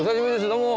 どうも。